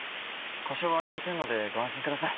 故障はありませんのでご安心ください。